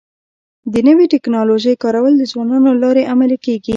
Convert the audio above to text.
د نوې ټکنالوژۍ کارول د ځوانانو له لارې عملي کيږي.